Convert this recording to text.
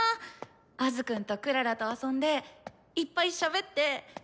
アズくんとクララと遊んでいっぱいしゃべって。